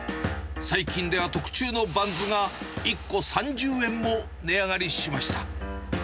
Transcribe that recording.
最近では特注のバンズが１個３０円も値上がりしました。